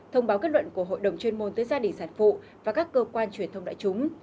thông báo kết luận của hội đồng chuyên môn tới gia đình sản phụ và các cơ quan truyền thông đại chúng